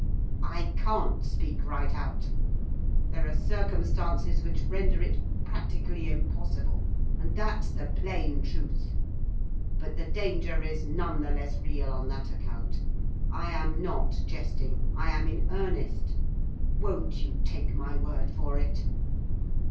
'I can't speak right out, there are circumstances which render it practically impossible and that's the plain truth, but the danger is none the less real on that account. I am not jesting, I am in earnest; won't you take my word for it?